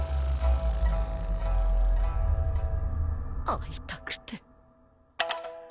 「逢いたくて」